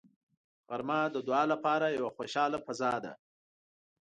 غرمه د دعا لپاره یوه خوشاله فضا ده